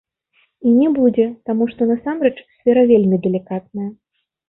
І не будзе, таму што, насамрэч, сфера вельмі далікатная.